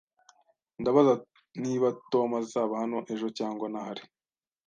Ndabaza niba Tom azaba hano ejo cyangwa ntahari